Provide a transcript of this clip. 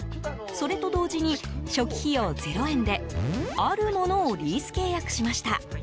それと同時に初期費用０円であるものをリース契約しました。